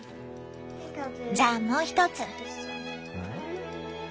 じゃあもう一つ。